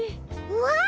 うわ！